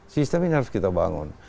sistem ini harus kita bangun